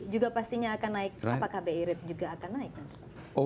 juga pastinya akan naik apakah